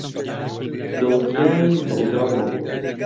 دڵنیاین ڕووداو نەبووە.